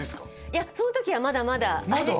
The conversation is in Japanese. いやその時はまだまだまだ？